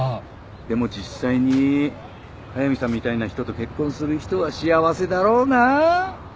でも実際に速見さんみたいな人と結婚する人は幸せだろうな。